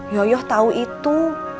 yoyoh tau itu